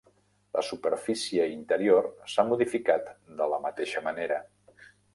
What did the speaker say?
La superfície interior s'ha modificat de la mateixa manera.